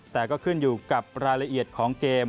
แต่ก็ขึ้นอยู่กับรายละเอียดของเกม